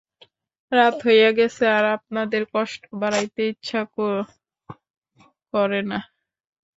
রাত হইয়া গেছে, আর আপনাদের কষ্ট বাড়াইতে ইচ্ছা করি না।